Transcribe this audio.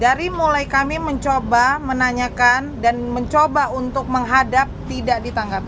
dari mulai kami mencoba menanyakan dan mencoba untuk menghadap tidak ditangkap